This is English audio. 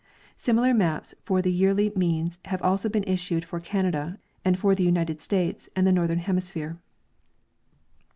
Similar maps for the yearly means have also been issued for Canada and for the United States and the northern hemisphere.